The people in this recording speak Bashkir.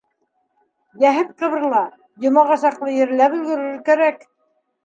Йәһәт ҡыбырла: йомаға саҡлы ерләп өлгөрөр кәрәк.